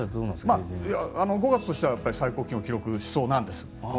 ５月としては最高気温を記録しそうなんです。